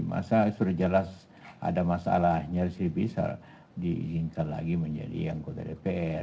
masa sudah jelas ada masalahnya sih bisa diizinkan lagi menjadi anggota dpr